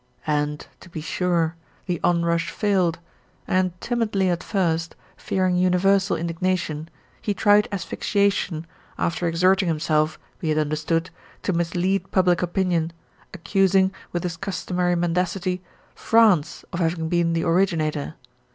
And, to be sure, the onrush failed, and, timidly at first, fearing universal indignation, he tried asphyxiation after exerting himself, be it understood, to mislead public opinion, accusing, with his customary mendacity, France of having been the originator.